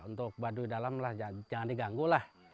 untuk baduy dalam lah jangan diganggu lah